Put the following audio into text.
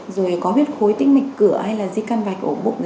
rồi có viết khối tích mịch cửa hay là di căn vạch ổ bụng